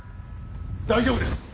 大丈夫です！